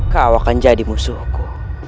kau akan jadi musuhku